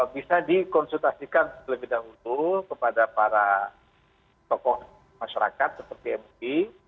bisa dikonsultasikan terlebih dahulu kepada para tokoh masyarakat seperti mui